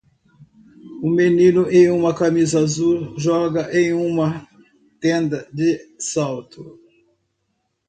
Um menino em uma camisa azul joga em uma tenda de salto.